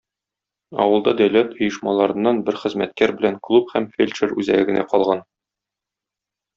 Авылда дәүләт оешмаларыннан бер хезмәткәр белән клуб һәм фельдшер үзәге генә калган.